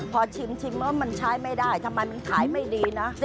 พอชิมแล้วมันใช้ไม่ได้ทำไมมันขายไม่ดีนะ